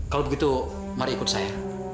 kalau begitu mari ikut saya